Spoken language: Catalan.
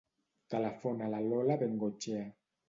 Telefona a la Lola Bengoetxea.